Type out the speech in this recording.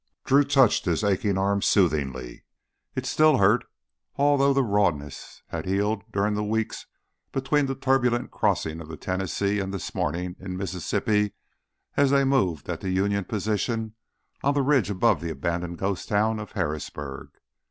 Drew touched his aching arm soothingly. It still hurt, although the rawness had healed during the weeks between that turbulent crossing of the Tennessee and this morning in Mississippi as they moved at the Union position on the ridge above the abandoned ghost town of Harrisburg.